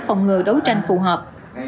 phòng ngừa đấu tranh phù hợp